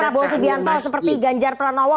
seperti prabowo sibianto seperti ganjar pranowo